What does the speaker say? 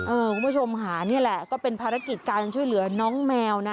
คุณผู้ชมค่ะนี่แหละก็เป็นภารกิจการช่วยเหลือน้องแมวนะ